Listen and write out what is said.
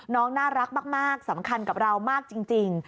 น่ารักมากสำคัญกับเรามากจริง